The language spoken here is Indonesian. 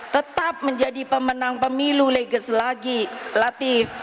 tetap menjadi pemenang pemilu leges lagi latif